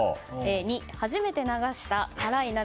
２、初めて流した、からい涙。